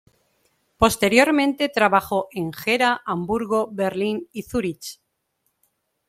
Posteriormente trabajó en Gera, Hamburgo, Berlín y Zurich.